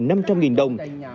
năm trăm linh nghìn đồng